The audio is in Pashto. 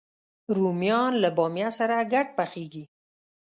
رومیان له بامیه سره ګډ پخېږي